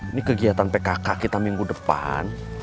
ini kegiatan pkk kita minggu depan